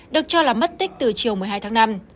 được cho là mất tích từ chiều một mươi hai tháng năm